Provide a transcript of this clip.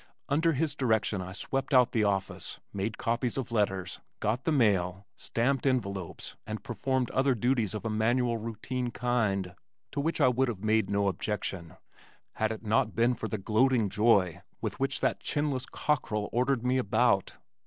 Under his direction I swept out the office, made copies of letters, got the mail, stamped envelopes and performed other duties of a manual routine kind, to which I would have made no objection, had it not been for the gloating joy with which that chinless cockerel ordered me about.